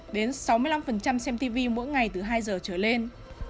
đến sáu mươi năm xem tv mỗi ngày từ hai giờ trở lên